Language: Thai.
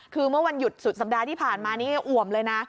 คือเมื่อวันหยุดสุดสัปดาห์ที่ผ่านมานี้อ่วมเลยนะ